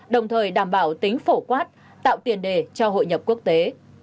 đồng thời đảm bảo tính phổ quát tạo tiền đề cho hội nhập quốc tế